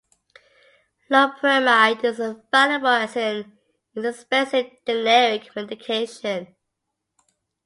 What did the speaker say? Loperamide is available as an inexpensive generic medication.